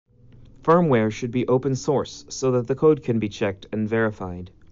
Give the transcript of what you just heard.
Firmware should be open-source so that the code can be checked and verified.